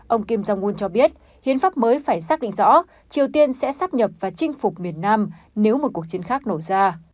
ông kim jong un cho biết hiến pháp mới phải xác định rõ triều tiên sẽ sắp nhập và chinh phục miền nam nếu một cuộc chiến khác nổ ra